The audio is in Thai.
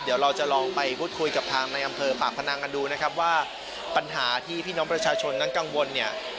เดี๋ยวเราจะลองไปพูดคุยกับทางในอำเภอปากพนังกันดูนะครับว่าปัญหาที่พี่น้องประชาชนนั้นกังวลเนี่ย